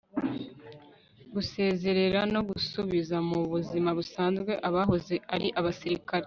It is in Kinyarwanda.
gusezerera no gusubiza mu buzima busanzwe abahoze ari abasirikare